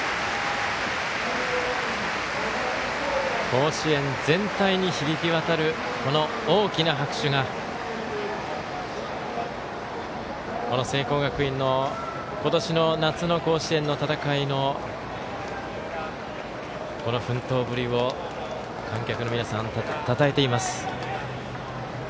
甲子園全体に響き渡るこの大きな拍手が聖光学院の、今年の夏の甲子園の戦いのこの奮闘ぶりを観客の皆さんがたたえています。